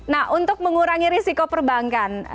nah untuk mengurangi risiko perbankan